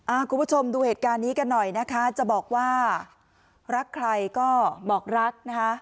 คุณผู้ชมดูเหตุการณ์นี้กันหน่อยนะคะจะบอกว่ารักใครก็บอกรักนะคะ